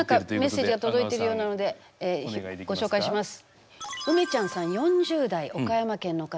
何かメッセージが届いてるようなのでご紹介します。